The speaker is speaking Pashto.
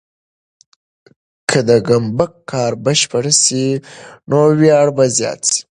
که د ګمبد کار بشپړ سي، نو ویاړ به زیات سي.